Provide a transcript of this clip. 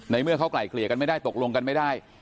เมื่อเขาไกลเกลี่ยกันไม่ได้ตกลงกันไม่ได้